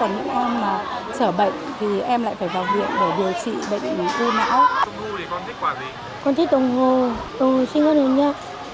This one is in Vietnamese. còn những em mà sở bệnh thì em lại phải vào viện để điều trị bệnh u não